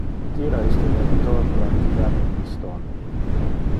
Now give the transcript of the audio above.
Tira iste levator pro activar le piston.